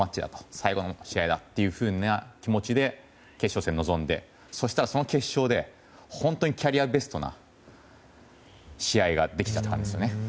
最後の試合だというふうな気持ちで決勝戦に臨んでそしたら、その決勝で本当にキャリアベストな試合ができたんですよね。